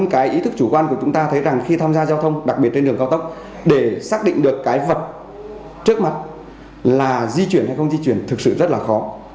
cái ý thức chủ quan của chúng ta thấy rằng khi tham gia giao thông đặc biệt trên đường cao tốc để xác định được cái vật trước mặt là di chuyển hay không di chuyển thực sự rất là khó